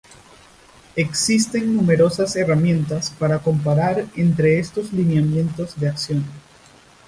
Existen numerosas herramientas para comparar entre estos lineamientos de acción.